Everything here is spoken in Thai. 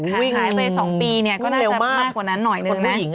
หายไป๒ปีเนี่ยก็น่าจะมากกว่านั้นหน่อยหนึ่งนะ